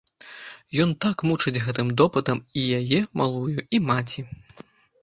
Ён так мучыць гэтым допытам і яе, малую, і маці.